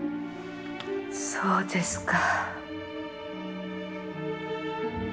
そうですか。